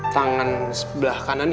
tangan sebelah kanan